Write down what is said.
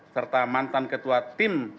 serta mantan ketua tim